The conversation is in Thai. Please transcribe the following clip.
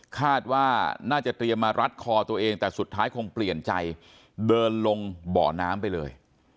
คาดว่าน่าจะเตรียมมารัดคอตัวเองแต่สุดท้ายคงเปลี่ยนใจเดินลงบ่อน้ำไปเลย